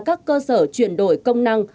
các cơ sở chuyển đổi công năng